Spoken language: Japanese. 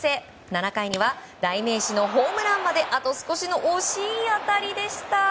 ７回には代名詞のホームランまであと少しの惜しい当たりでした。